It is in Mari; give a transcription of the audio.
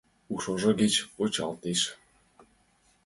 Ушыжо кеч почылтеш.